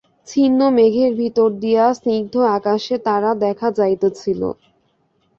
ছিন্ন মেঘের ভিতর দিয়া স্নিগ্ধ আকাশে তারা দেখা যাইতেছিল।